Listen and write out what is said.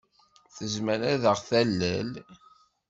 Tezmer ad aɣ-talel?